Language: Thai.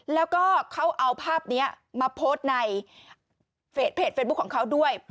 แล้วก็เขาเอาภาพนี้มาโพสต์ในเพจเฟซบุ๊คของเขาด้วย